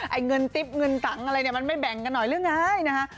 ไอ้เงินติ๊บเงินสังอะไรเนี่ยมันไม่แบ่งกันหน่อยหรือไงนะฮะ